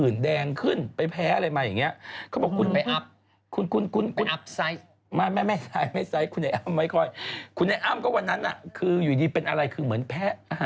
นั่งเป็นอะไรเหมือนแบบ